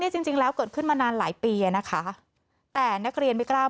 จริงแล้วเกิดขึ้นมานานหลายปีนะคะแต่นักเรียนไม่กล้า